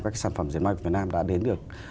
các cái sản phẩm diệt may của việt nam đã đến được